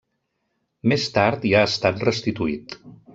Més tard hi ha estat restituït.